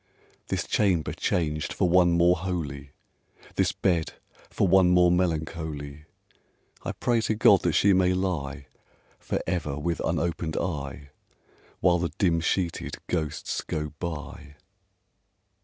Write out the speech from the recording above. This chamber changed for one more holy, This bed for one more melancholy, I pray to God that she may lie For ever with unopened eye, While the dim sheeted ghosts go by!